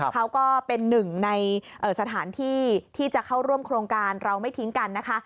เขาก็เป็นหนึ่งในสถานที่ที่จะเข้าร่วมโครงการเราไม่ทิ้งกันนะคะ